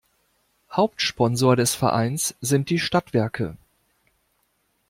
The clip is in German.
Hauptsponsor des Vereins sind die Stadtwerke.